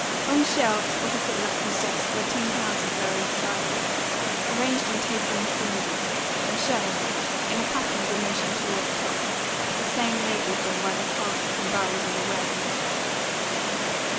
On shelves opposite Lapham's desk were tin cans of various sizes, arranged in tapering cylinders, and showing, in a pattern diminishing toward the top, the same label borne by the casks and barrels in the wareroom.